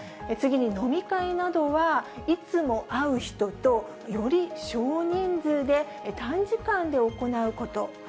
次に、飲み会などはいつも会う人と、より少人数で、短時間で行うこと。